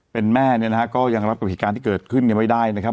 เป็นแม่เนี่ยนะฮะก็ยังรับกับเหตุการณ์ที่เกิดขึ้นยังไม่ได้นะครับ